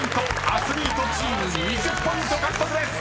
［アスリートチーム２０ポイント獲得です！］